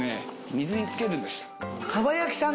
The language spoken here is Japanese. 水につけるんでした蒲焼さん